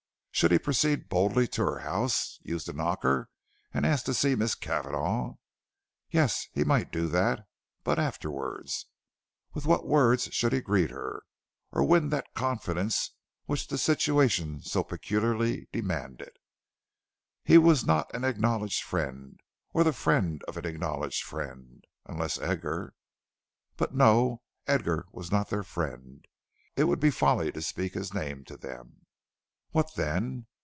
Should he proceed boldly to her house, use the knocker, and ask to see Miss Cavanagh? Yes, he might do that, but afterwards? With what words should he greet her, or win that confidence which the situation so peculiarly demanded? He was not an acknowledged friend, or the friend of an acknowledged friend, unless Edgar But no, Edgar was not their friend; it would be folly to speak his name to them. What then?